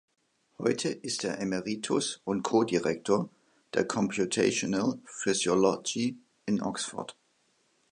Heute ist er Emeritus und Ko-Direktor der "Computational Physiology" in Oxford.